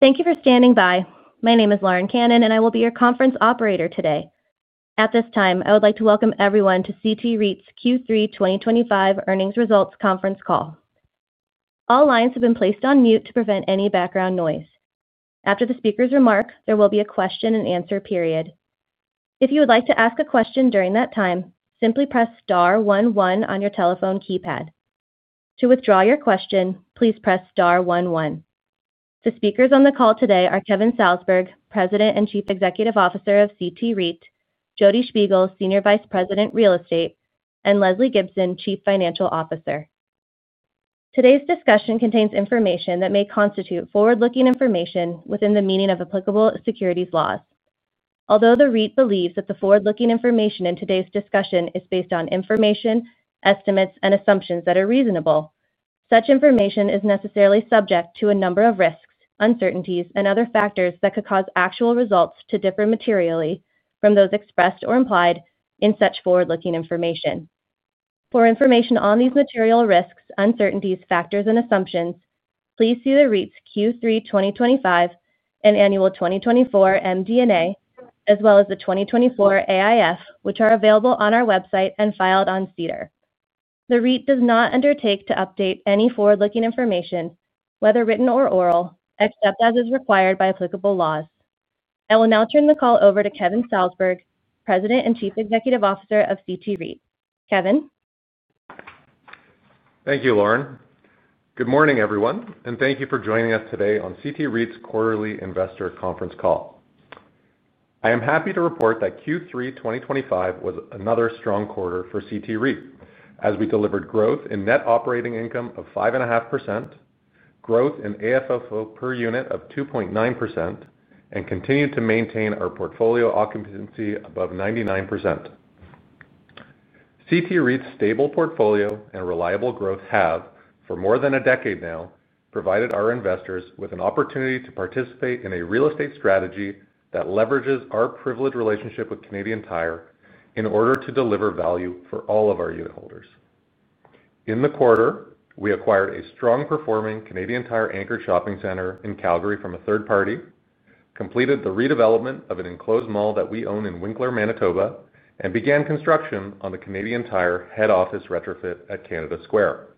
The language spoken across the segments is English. Thank you for standing by. My name is Lauren Cannon, and I will be your conference operator today. At this time, I would like to welcome everyone to CT REIT's Q3 2025 earnings results conference call. All lines have been placed on mute to prevent any background noise. After the speaker's remark, there will be a question-and-answer period. If you would like to ask a question during that time, simply press star one one on your telephone keypad. To withdraw your question, please press star one one. The speakers on the call today are Kevin Salsberg, President and Chief Executive Officer of CT REIT; Jodi Shpigel, Senior Vice President, Real Estate; and Lesley Gibson, Chief Financial Officer. Today's discussion contains information that may constitute forward-looking information within the meaning of applicable securities laws. Although the REIT believes that the forward-looking information in today's discussion is based on information, estimates, and assumptions that are reasonable, such information is necessarily subject to a number of risks, uncertainties, and other factors that could cause actual results to differ materially from those expressed or implied in such forward-looking information. For information on these material risks, uncertainties, factors, and assumptions, please see the REIT's Q3 2025 and annual 2024 MD&A, as well as the 2024 AIF, which are available on our website and filed on SEDAR. The REIT does not undertake to update any forward-looking information, whether written or oral, except as is required by applicable laws. I will now turn the call over to Kevin Salsberg, President and Chief Executive Officer of CT REIT. Kevin. Thank you, Lorne. Good morning, everyone, and thank you for joining us today on CT REIT's quarterly investor conference call. I am happy to report that Q3 2025 was another strong quarter for CT REIT, as we delivered growth in net operating income of 5.5%. Growth in AFFO per unit of 2.9%, and continued to maintain our portfolio occupancy above 99%. CT REIT's stable portfolio and reliable growth have, for more than a decade now, provided our investors with an opportunity to participate in a real estate strategy that leverages our privileged relationship with Canadian Tire in order to deliver value for all of our unit holders. In the quarter, we acquired a strong-performing Canadian Tire-anchored shopping center in Calgary from a third party, completed the redevelopment of an enclosed mall that we own in Winkler, Manitoba, and began construction on the Canadian Tire head office retrofit at Canada Square,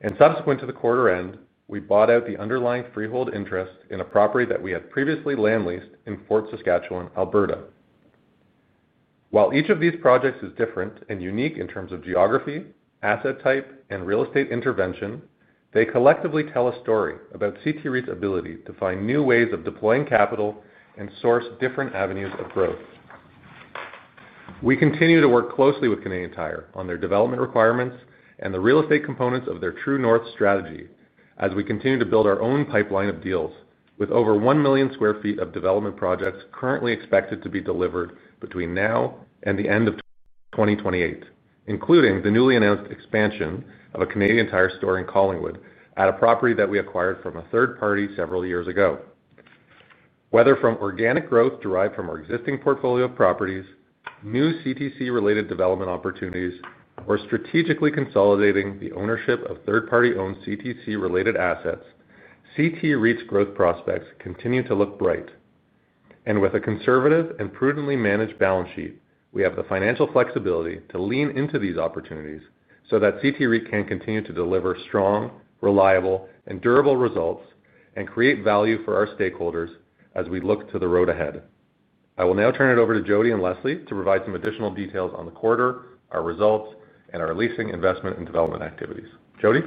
and subsequent to the quarter-end, we bought out the underlying freehold interest in a property that we had previously land-leased in Fort Saskatchewan, Alberta. While each of these projects is different and unique in terms of geography, asset type, and real estate intervention, they collectively tell a story about CT REIT's ability to find new ways of deploying capital and source different avenues of growth. We continue to work closely with Canadian Tire on their development requirements and the real estate components of their True North strategy, as we continue to build our own pipeline of deals, with over 1 million sq ft of development projects currently expected to be delivered between now and the end of 2028, including the newly announced expansion of a Canadian Tire store in Collingwood at a property that we acquired from a third party several years ago. Whether from organic growth derived from our existing portfolio of properties, new CTC-related development opportunities, or strategically consolidating the ownership of third-party-owned CTC-related assets, CT REIT's growth prospects continue to look bright. With a conservative and prudently managed balance sheet, we have the financial flexibility to lean into these opportunities so that CT REIT can continue to deliver strong, reliable, and durable results and create value for our stakeholders as we look to the road ahead. I will now turn it over to Jodi and Lesley to provide some additional details on the quarter, our results, and our leasing, investment, and development activities. Jodi.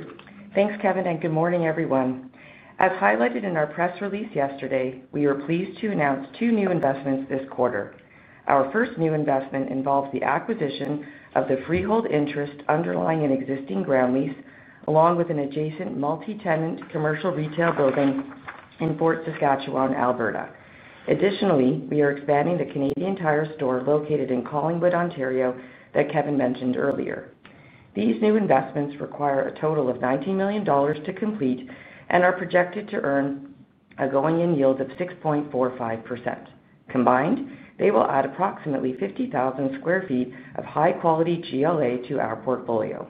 Thanks, Kevin, and good morning, everyone. As highlighted in our press release yesterday, we are pleased to announce two new investments this quarter. Our first new investment involves the acquisition of the freehold interest underlying an existing ground lease, along with an adjacent multi-tenant commercial retail building in Fort Saskatchewan, Alberta. Additionally, we are expanding the Canadian Tire store located in Collingwood, Ontario, that Kevin mentioned earlier. These new investments require a total of 19 million dollars to complete and are projected to earn a going-in yield of 6.45%. Combined, they will add approximately 50,000 sq ft of high-quality GLA to our portfolio.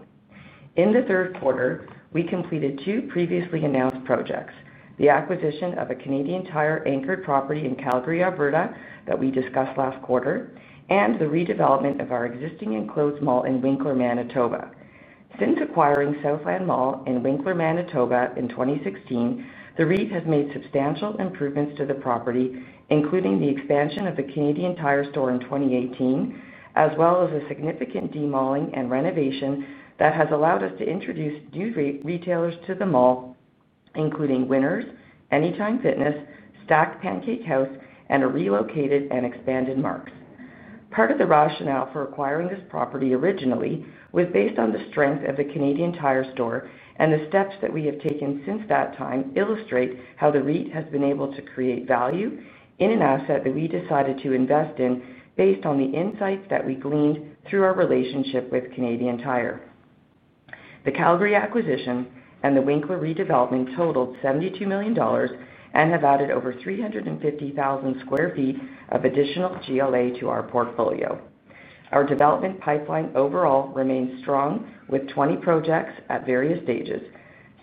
In the third quarter, we completed two previously announced projects: the acquisition of a Canadian Tire Anchored property in Calgary, Alberta, that we discussed last quarter, and the redevelopment of our existing enclosed mall in Winkler, Manitoba. Since acquiring Southland Mall in Winkler, Manitoba, in 2016, the REIT has made substantial improvements to the property, including the expansion of the Canadian Tire store in 2018, as well as a significant demolition and renovation that has allowed us to introduce new retailers to the mall, including Winners, Anytime Fitness, Stacked Pancake House, and a relocated and expanded Mark's. Part of the rationale for acquiring this property originally was based on the strength of the Canadian Tire store, and the steps that we have taken since that time illustrate how the REIT has been able to create value in an asset that we decided to invest in based on the insights that we gleaned through our relationship with Canadian Tire. The Calgary acquisition and the Winkler redevelopment totaled 72 million dollars and have added over 350,000 sq ft of additional GLA to our portfolio. Our development pipeline overall remains strong, with 20 projects at various stages,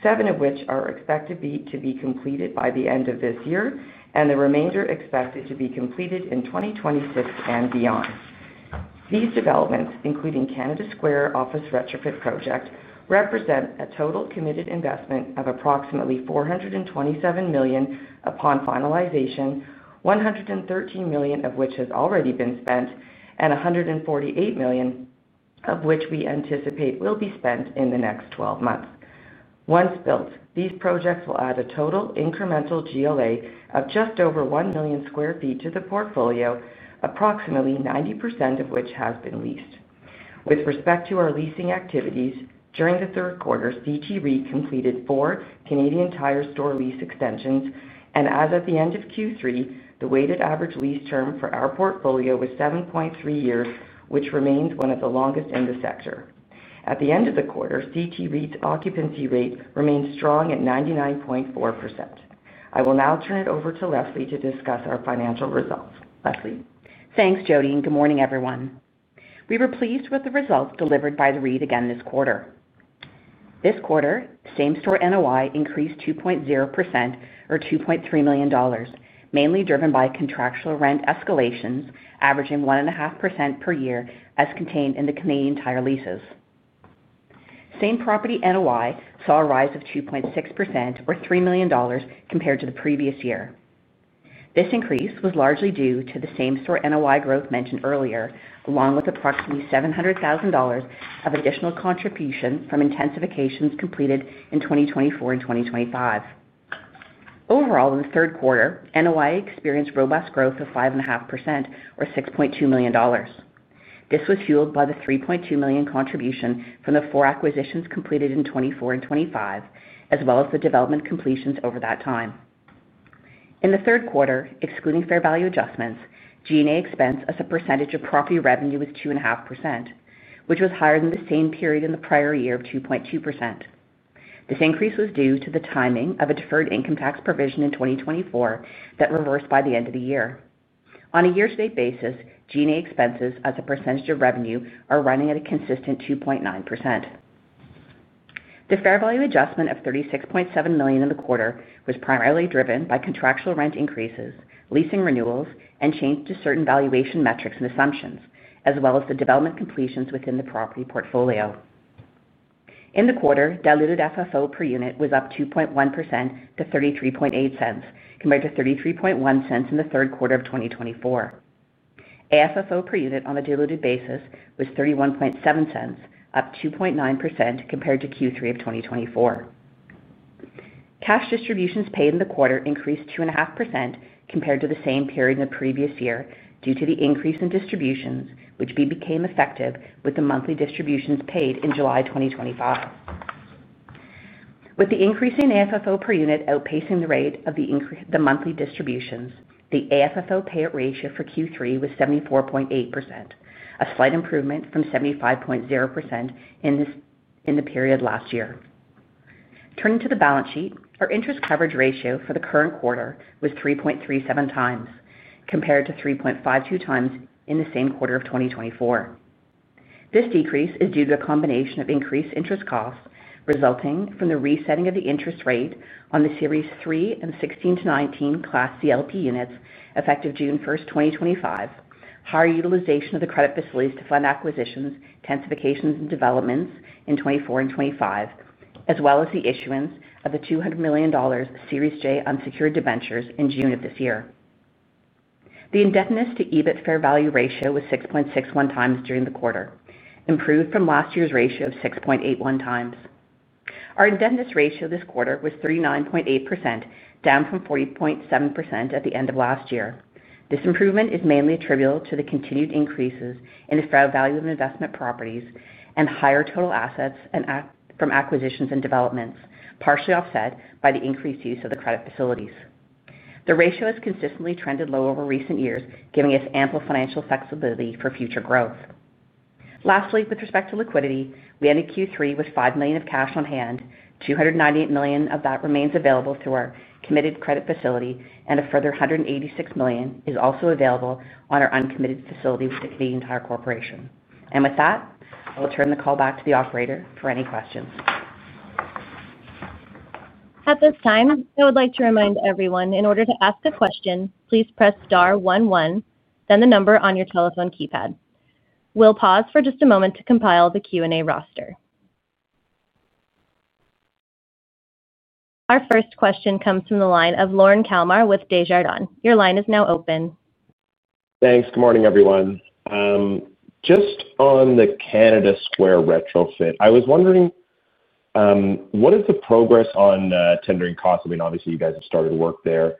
seven of which are expected to be completed by the end of this year, and the remainder expected to be completed in 2026 and beyond. These developments, including Canada Square office retrofit project, represent a total committed investment of approximately 427 million upon finalization, 113 million of which has already been spent, and 148 million of which we anticipate will be spent in the next 12 months. Once built, these projects will add a total incremental GLA of just over 1 million sq ft to the portfolio, approximately 90% of which has been leased. With respect to our leasing activities, during the third quarter, CT REIT completed four Canadian Tire store lease extensions, and as of the end of Q3, the weighted average lease term for our portfolio was 7.3 years, which remains one of the longest in the sector. At the end of the quarter, CT REIT's occupancy rate remained strong at 99.4%. I will now turn it over to Lesley to discuss our financial results. Lesley. Thanks, Jodi, and good morning, everyone. We were pleased with the results delivered by the REIT again this quarter. This quarter, same store NOI increased 2.0%, or 2.3 million dollars, mainly driven by contractual rent escalations averaging 1.5% per year, as contained in the Canadian Tire leases. Same property NOI saw a rise of 2.6%, or 3 million dollars, compared to the previous year. This increase was largely due to the same store NOI growth mentioned earlier, along with approximately 700,000 dollars of additional contribution from intensifications completed in 2024 and 2025. Overall, in the third quarter, NOI experienced robust growth of 5.5%, or 6.2 million dollars. This was fueled by the 3.2 million contribution from the four acquisitions completed in 2024 and 2025, as well as the development completions over that time. In the third quarter, excluding fair value adjustments, G&A expense as a percentage of property revenue was 2.5%, which was higher than the same period in the prior year of 2.2%. This increase was due to the timing of a deferred income tax provision in 2024 that reversed by the end of the year. On a year-to-date basis, G&A expenses as a percentage of revenue are running at a consistent 2.9%. The fair value adjustment of 36.7 million in the quarter was primarily driven by contractual rent increases, leasing renewals, and changes to certain valuation metrics and assumptions, as well as the development completions within the property portfolio. In the quarter, diluted FFO per unit was up 2.1% to 0.338, compared to 0.331 in the third quarter of 2024. AFFO per unit on a diluted basis was 0.317, up 2.9% compared to Q3 of 2024. Cash distributions paid in the quarter increased 2.5% compared to the same period in the previous year due to the increase in distributions, which became effective with the monthly distributions paid in July 2025. With the increase in AFFO per unit outpacing the rate of the monthly distributions, the AFFO payout ratio for Q3 was 74.8%, a slight improvement from 75.0% in the period last year. Turning to the balance sheet, our interest coverage ratio for the current quarter was 3.37x, compared to 3.52x in the same quarter of 2024. This decrease is due to a combination of increased interest costs resulting from the resetting of the interest rate on the Series 3 and 16 to 19 Class CLP units effective June 1st, 2025, higher utilization of the credit facilities to fund acquisitions, intensifications, and developments in 2024 and 2025, as well as the issuance of the 200 million dollars Series J unsecured debentures in June of this year. The indebtedness to EBIT fair value ratio was 6.61x during the quarter, improved from last year's ratio of 6.81x. Our indebtedness ratio this quarter was 39.8%, down from 40.7% at the end of last year. This improvement is mainly attributable to the continued increases in the fair value of investment properties and higher total assets from acquisitions and developments, partially offset by the increased use of the credit facilities. The ratio has consistently trended low over recent years, giving us ample financial flexibility for future growth. Lastly, with respect to liquidity, we ended Q3 with 5 million of cash on hand. 298 million of that remains available through our committed credit facility, and a further 186 million is also available on our uncommitted facility with the Canadian Tire Corporation. And with that, I will turn the call back to the operator for any questions. At this time, I would like to remind everyone, in order to ask a question, please press star 11, then the number on your telephone keypad. We'll pause for just a moment to compile the Q&A roster. Our first question comes from the line of Lorne Kalmar with Desjardins. Your line is now open. Thanks. Good morning, everyone. Just on the Canada Square retrofit, I was wondering. What is the progress on tendering costs? I mean, obviously, you guys have started work there.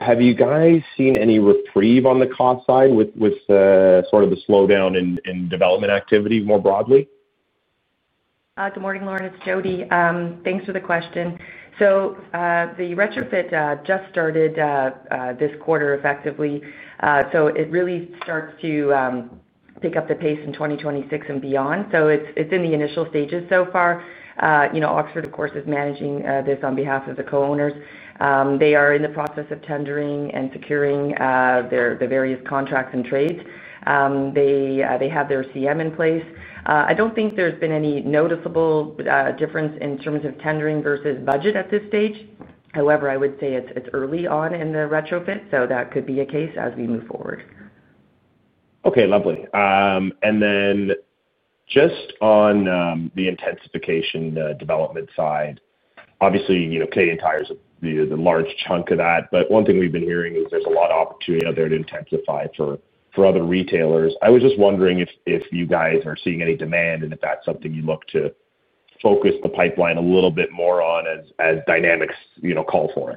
Have you guys seen any reprieve on the cost side with sort of the slowdown in development activity more broadly? Good morning, Lorne. It's Jodi. Thanks for the question. So the retrofit just started this quarter effectively. So it really starts to pick up the pace in 2026 and beyond. So it's in the initial stages so far. Oxford, of course, is managing this on behalf of the co-owners. They are in the process of tendering and securing the various contracts and trades. They have their CM in place. I don't think there's been any noticeable difference in terms of tendering versus budget at this stage. However, I would say it's early on in the retrofit, so that could be a case as we move forward. Okay. Lovely. And then. Just on the intensification development side, obviously, Canadian Tire is the large chunk of that. But one thing we've been hearing is there's a lot of opportunity out there to intensify for other retailers. I was just wondering if you guys are seeing any demand and if that's something you look to focus the pipeline a little bit more on as dynamics call for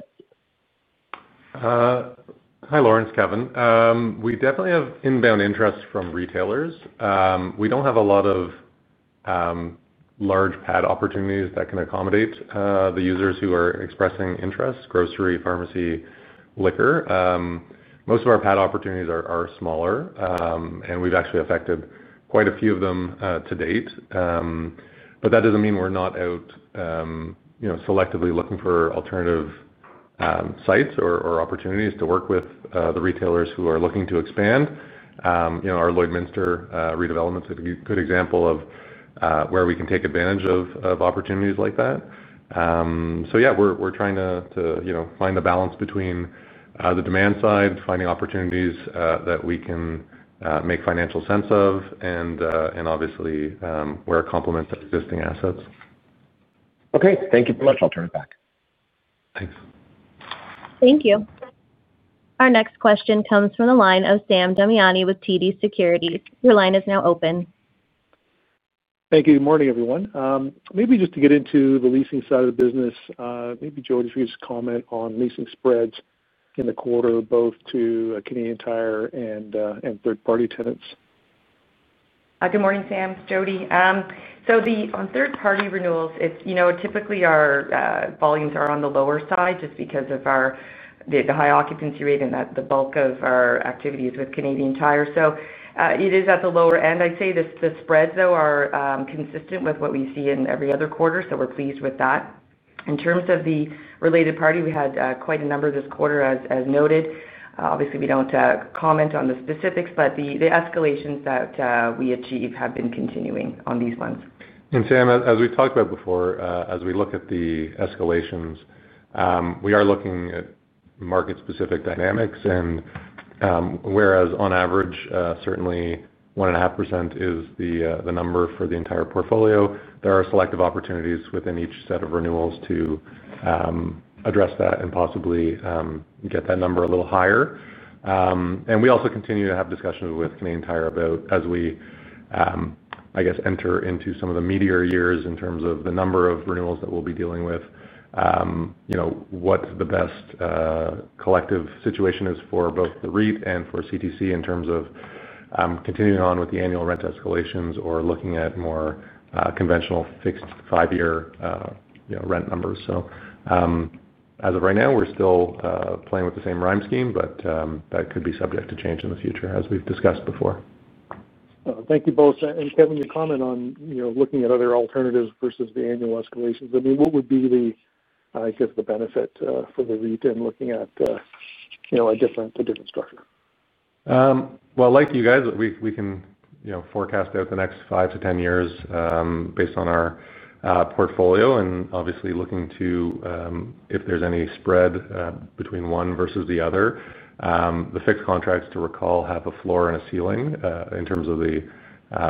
it. Hi, Lorne, it's Kevin. We definitely have inbound interest from retailers. We don't have a lot of large pad opportunities that can accommodate the users who are expressing interest, grocery, pharmacy, liquor. Most of our pad opportunities are smaller, and we've actually effected quite a few of them to date. But that doesn't mean we're not out selectively looking for alternative sites or opportunities to work with the retailers who are looking to expand. Our Lloydminster redevelopment is a good example of where we can take advantage of opportunities like that. So yeah, we're trying to find the balance between the demand side, finding opportunities that we can make financial sense of, and obviously where it complements existing assets. Okay. Thank you so much. I'll turn it back. Thanks. Thank you. Our next question comes from the line of Sam Damiani with TD Securities. Your line is now open. Thank you. Good morning, everyone. Maybe just to get into the leasing side of the business, maybe Jodi could just comment on leasing spreads in the quarter, both to Canadian Tire and third-party tenants. Good morning, Sam. It's Jodi. So on third-party renewals, typically our volumes are on the lower side just because of the high occupancy rate and the bulk of our activity is with Canadian Tire. So it is at the lower end. I'd say the spreads, though, are consistent with what we see in every other quarter, so we're pleased with that. In terms of the related party, we had quite a number this quarter, as noted. Obviously, we don't comment on the specifics, but the escalations that we achieve have been continuing on these ones. And Sam, as we've talked about before, as we look at the escalations, we are looking at market-specific dynamics. Whereas on average, certainly 1.5% is the number for the entire portfolio, there are selective opportunities within each set of renewals to address that and possibly get that number a little higher. And we also continue to have discussions with Canadian Tire about as we, I guess, enter into some of the meatier years in terms of the number of renewals that we'll be dealing with. What the best collective situation is for both the REIT and for CTC in terms of continuing on with the annual rent escalations or looking at more conventional fixed five-year rent numbers. As of right now, we're still playing with the same rhyme scheme, but that could be subject to change in the future, as we've discussed before. Thank you both. And Kevin, your comment on looking at other alternatives versus the annual escalations, I mean, what would be the, I guess, the benefit for the REIT in looking at a different structure? Like you guys, we can forecast out the next five to 10 years based on our portfolio and obviously looking to if there's any spread between one versus the other. The fixed contracts, to recall, have a floor and a ceiling in terms of the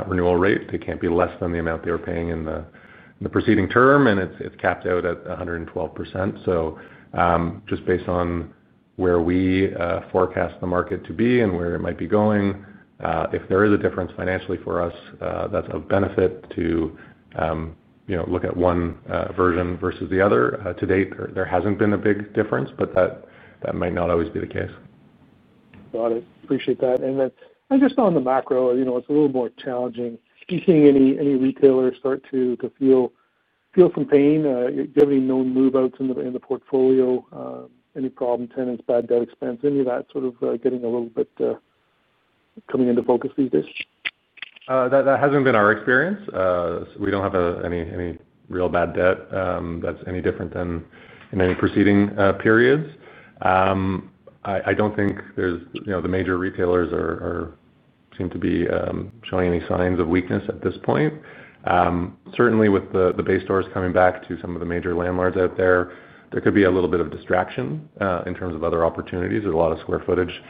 renewal rate. They can't be less than the amount they were paying in the preceding term, and it's capped out at 112%. So, just based on where we forecast the market to be and where it might be going, if there is a difference financially for us, that's a benefit to look at one version versus the other. To date, there hasn't been a big difference, but that might not always be the case. Got it. Appreciate that. And then just on the macro, it's a little more challenging. Do you see any retailers start to feel some pain? Do you have any known move-outs in the portfolio? Any problem tenants, bad debt expense, any of that sort of getting a little bit coming into focus these days? That hasn't been our experience. We don't have any real bad debt that's any different than in any preceding periods. I don't think the major retailers seem to be showing any signs of weakness at this point. Certainly, with the base stores coming back to some of the major landlords out there, there could be a little bit of distraction in terms of other opportunities. There's a lot of square footage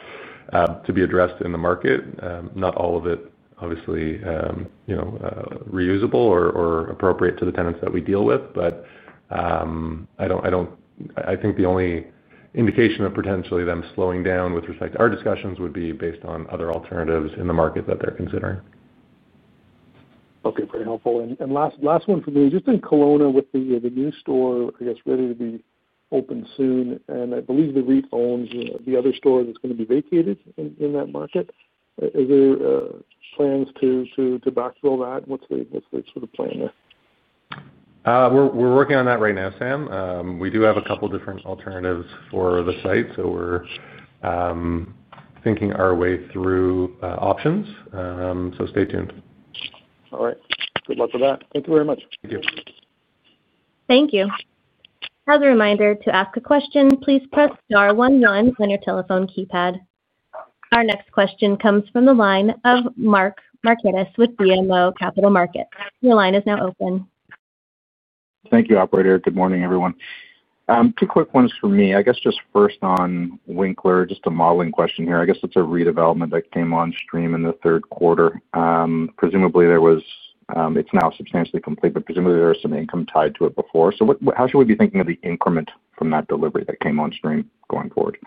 to be addressed in the market. Not all of it, obviously, reusable or appropriate to the tenants that we deal with, but I think the only indication of potentially them slowing down with respect to our discussions would be based on other alternatives in the market that they're considering. Okay. Very helpful. And last one for me, just in Kelowna with the new store, I guess, ready to be open soon. And I believe the REIT owns the other store that's going to be vacated in that market? Is there plans to backfill that? What's the sort of plan there? We're working on that right now, Sam. We do have a couple of different alternatives for the site. So we're thinking our way through options. So stay tuned. All right. Good luck with that. Thank you very much. Thank you. Thank you. As a reminder, to ask a question, please press star one one on your telephone keypad. Our next question comes from the line of Michael Markidis with BMO Capital Markets. Your line is now open. Thank you, operator. Good morning, everyone. Two quick ones for me. I guess just first on Winkler, just a modeling question here. I guess it's a redevelopment that came on stream in the third quarter. Presumably, it's now substantially complete, but presumably, there was some income tied to it before. So how should we be thinking of the increment from that delivery that came on stream going forward?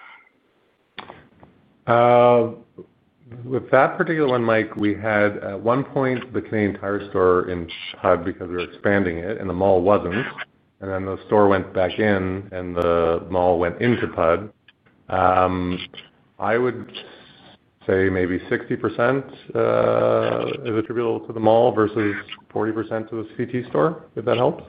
With that particular one, Mike, we had at one point the Canadian Tire store in PUD because we were expanding it, and the mall wasn't. And then the store went back in, and the mall went into PUD. I would say maybe 60% is attributable to the mall versus 40% to the CT store, if that helps.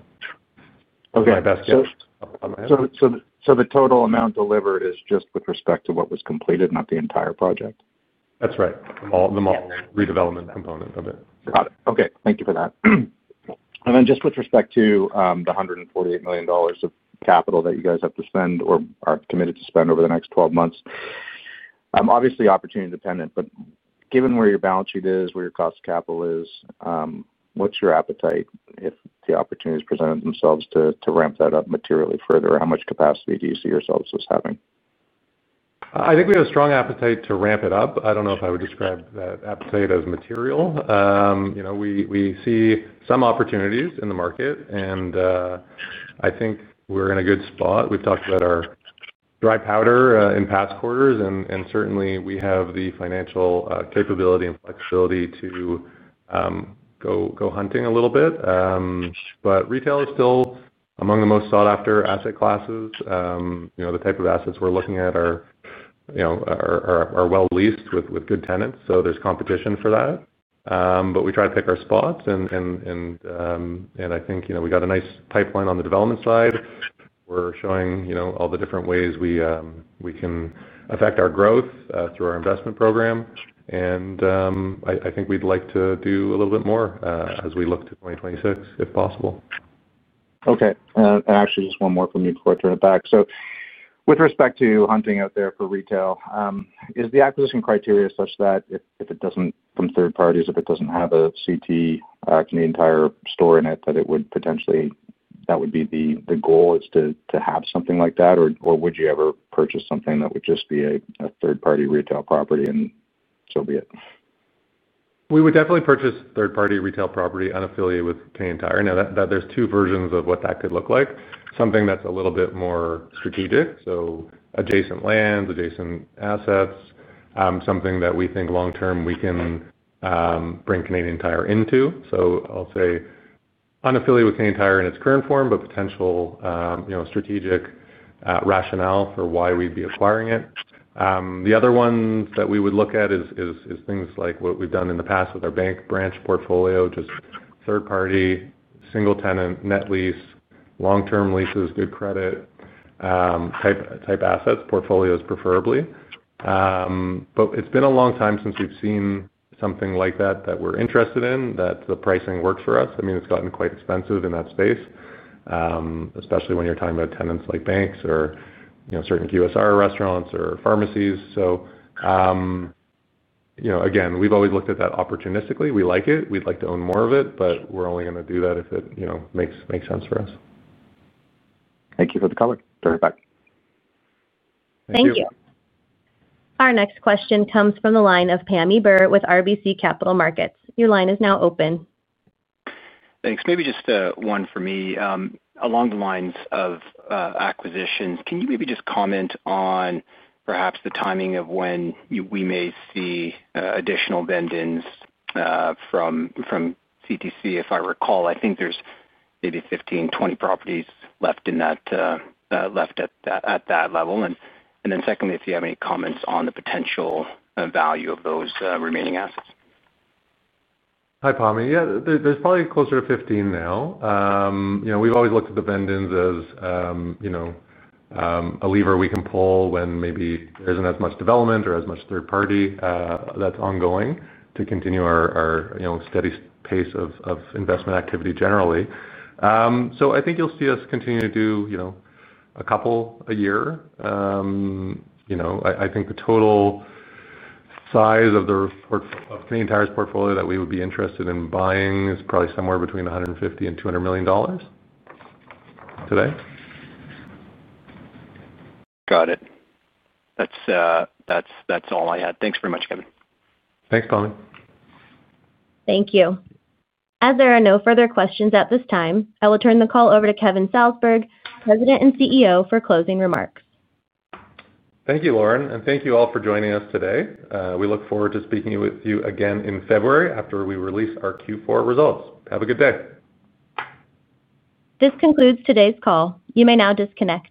That's my best guess. So the total amount delivered is just with respect to what was completed, not the entire project? That's right. The mall redevelopment component of it. Got it. Okay. Thank you for that. And then just with respect to the 148 million dollars of capital that you guys have to spend or are committed to spend over the next 12 months. Obviously, opportunity-dependent, but given where your balance sheet is, where your cost of capital is. What's your appetite if the opportunities presented themselves to ramp that up materially further? How much capacity do you see yourselves as having? I think we have a strong appetite to ramp it up. I don't know if I would describe that appetite as material. We see some opportunities in the market, and I think we're in a good spot. We've talked about our dry powder in past quarters, and certainly, we have the financial capability and flexibility to go hunting a little bit, but retail is still among the most sought-after asset classes. The type of assets we're looking at are well-leased with good tenants, so there's competition for that, but we try to pick our spots, and I think we got a nice pipeline on the development side. We're showing all the different ways we can affect our growth through our investment program, and I think we'd like to do a little bit more as we look to 2026, if possible. Okay. And actually, just one more from me before I turn it back. So with respect to hunting out there for retail, is the acquisition criteria such that if it doesn't come through third parties, if it doesn't have a CT Canadian Tire store in it, that it would potentially - that would be the goal - is to have something like that? Or would you ever purchase something that would just be a third-party retail property and so be it? We would definitely purchase third-party retail property unaffiliated with Canadian Tire. Now, there's two versions of what that could look like. Something that's a little bit more strategic, so adjacent lands, adjacent assets, something that we think long-term we can bring Canadian Tire into. So I'll say unaffiliated with Canadian Tire in its current form, but potential strategic rationale for why we'd be acquiring it. The other ones that we would look at is things like what we've done in the past with our bank branch portfolio, just third-party, single-tenant, net lease, long-term leases, good credit type assets, portfolios preferably. But it's been a long time since we've seen something like that that we're interested in, that the pricing works for us. I mean, it's gotten quite expensive in that space. Especially when you're talking about tenants like banks or certain QSR restaurants or pharmacies. So again, we've always looked at that opportunistically. We like it. We'd like to own more of it, but we're only going to do that if it makes sense for us. Thank you for the comment. Turn it back. Thank you. Our next question comes from the line of Pammi Bir with RBC Capital Markets. Your line is now open. Thanks. Maybe just one for me. Along the lines of acquisitions, can you maybe just comment on perhaps the timing of when we may see additional vendings from CTC, if I recall? I think there's maybe 15-20 properties left in that. Left at that level. And then secondly, if you have any comments on the potential value of those remaining assets. Hi, Pammi. Yeah, there's probably closer to 15 now. We've always looked at the vendor takings as a lever we can pull when maybe there isn't as much development or as much third-party that's ongoing to continue our steady pace of investment activity generally. So I think you'll see us continue to do a couple a year. I think the total size of the Canadian Tire's portfolio that we would be interested in buying is probably somewhere between 150 million and 200 million dollars today. Got it. That's all I had. Thanks very much, Kevin. Thanks, Pammi. Thank you. As there are no further questions at this time, I will turn the call over to Kevin Salsberg, President and CEO, for closing remarks. Thank you, Lauren. And thank you all for joining us today. We look forward to speaking with you again in February after we release our Q4 results. Have a good day. This concludes today's call. You may now disconnect.